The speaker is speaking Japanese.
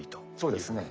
そうですね。